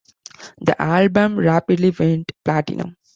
The album rapidly went platinum.